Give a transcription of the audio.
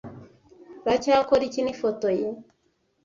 Uracyakora iki nifoto ye?